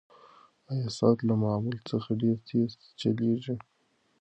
ایا ساعت له معمول څخه ډېر تېز چلیږي؟